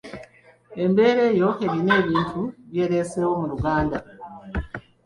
Embeera eyo erina ebintu by’ereseewo mu Luganda